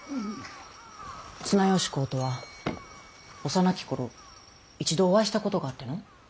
綱吉公とは幼き頃一度お会いしたことがあっての。